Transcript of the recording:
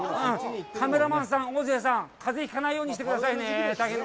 カメラマンさん、音声さん、風邪引かないようにしてくださいね。